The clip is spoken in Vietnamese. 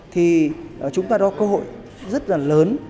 thì chúng ta đo cơ hội rất là lớn